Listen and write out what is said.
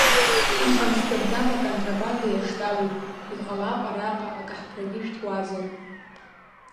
Аха Амстердам аконтрабанда иаштабуп, иҟалап араҟа акаҳԥрагьы шәҭуазар…